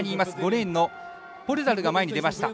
５レーンのポルタルが前に出ました。